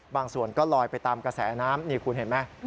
บางส่วนก็ลอยไปตามกระแสน้ำนี่คุณเห็นไหม